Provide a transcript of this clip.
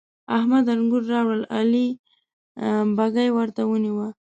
احمد انګور راوړل؛ علي بږۍ ورته ونيو.